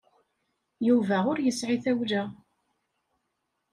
Yuba ur yesɛi tawla.